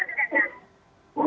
bisa dengar tidak